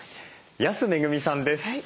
安めぐみさんです。